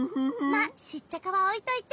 まっシッチャカはおいといて。